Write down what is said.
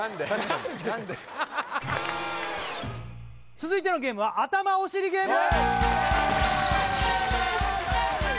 続いてのゲームはあたまおしりゲーム